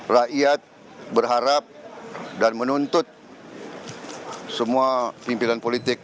rakyat berharap dan menuntut semua pimpinan politik